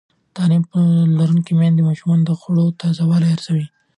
تعلیم لرونکې میندې د ماشومانو د خوړو تازه والی ارزوي.